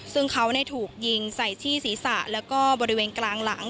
ซึ่งเขาถูกยิงใส่ที่ศีรษะแล้วก็บริเวณกลางหลัง